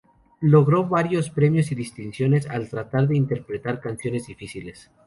Logró varios premios y distinciones al tratar de interpretar canciones difíciles.